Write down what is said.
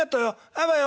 あばよ。